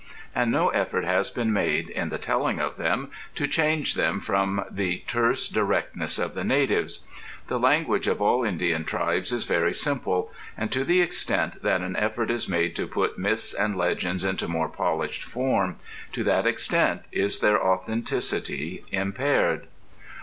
And no effort has been made, in the telling of them, to change them from the terse directness of the natives. The language of all Indian tribes is very simple, and to the extent that an effort is made to put myths and legends into more polished form, to that extent is their authenticity impaired.